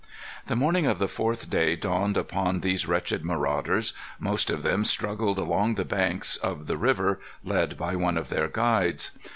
The morning of the fourth day dawned upon these wretched marauders. Most of them struggled along the banks of the river, led by one of their guides.